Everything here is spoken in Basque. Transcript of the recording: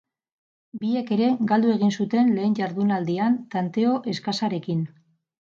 Biek ere galdu egin zuten lehen jardunaldian, tanteo eskasarekin.